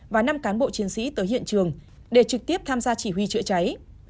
và năm cán bộ chiến sĩ tới hiện trường để trực tiếp tham gia chỉ huy chữa cháy